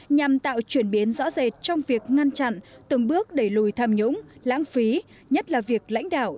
nhằm tạo chuyển biến rõ rệt trong việc ngăn chặn từng bước đẩy lùi tham nhũng lãng phí nhất là việc lãnh đạo